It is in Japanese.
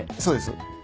そうです。